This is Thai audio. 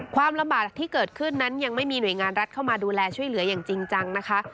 ความลำบากที่เกิดขึ้นนั้นยังไม่มีหน่วยงานรัฐเข้ามาดูแลช่วยเหลืออย่างจริงจังนะคะ